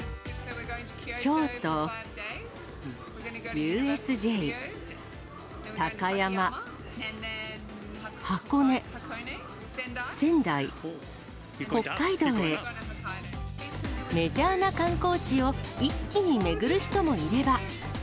京都、ＵＳＪ、高山、メジャーな観光地を一気に巡る人もいれば。